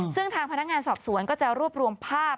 ซึ่งทางพนักงานสอบสวนก็จะรวบรวมภาพ